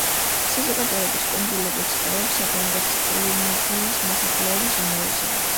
საზოგადოების კუნძულებზე ცხოვრობს საფრანგეთის პოლინეზიის მოსახლეობის უმრავლესობა.